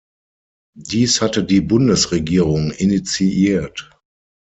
Dies hatte die Bundesregierung initiiert.